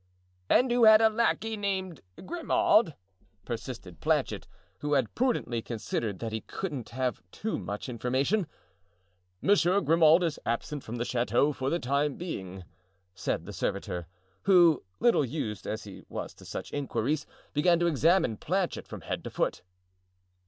"And who had a lackey named Grimaud?" persisted Planchet, who had prudently considered that he couldn't have too much information. "Monsieur Grimaud is absent from the chateau for the time being," said the servitor, who, little used as he was to such inquiries, began to examine Planchet from head to foot.